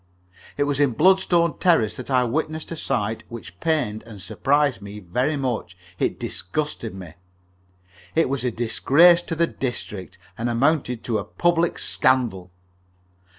It was in Bloodstone Terrace that I witnessed a sight which pained and surprised me very much. It disgusted me. It was a disgrace to the district, and amounted to a public scandal.